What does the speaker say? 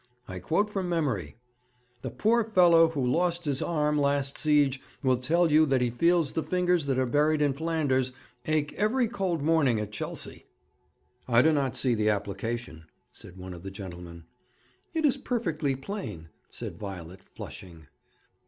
I quote from memory: "The poor fellow who lost his arm last siege will tell you that he feels the fingers that are buried in Flanders ache every cold morning at Chelsea."' 'I do not see the application,' said one of the gentlemen. 'It is perfectly plain,' said Violet, flushing.